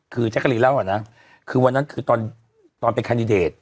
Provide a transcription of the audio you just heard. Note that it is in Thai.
คือจักรีนเล่าก่อนนะวันนั้นคือตอนเป็นคอนดิเดต